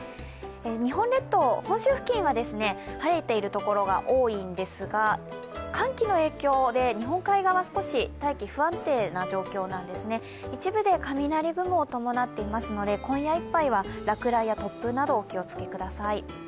日本列島、本州付近は晴れているところが多いんですが、寒気の影響で日本海側、大気が不安定な状態なので一部で雷雲を伴っていますので今夜いっぱいは落雷や突風など、お気をつけください。